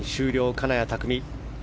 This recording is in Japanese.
金谷拓実。